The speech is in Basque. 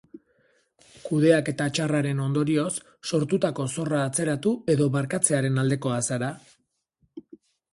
Kudeaketa txarraren ondorioz sortutako zorra atzeratu edo barkatzearen aldekoa zara?